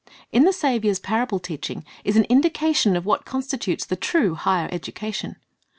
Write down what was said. ' In the Saviour's parable teaching is an indication of what constitutes the true "higher education."